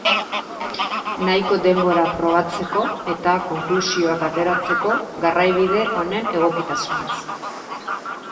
Nahiko denbora probatzeko eta konklusioak ateratzeko garraiabide honen egokitasunaz.